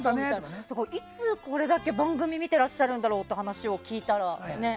いつ、これだけ番組見ていらっしゃるんだろうって話を聞いたらね。